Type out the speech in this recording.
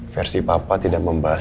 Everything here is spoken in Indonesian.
versi papa tidak membahas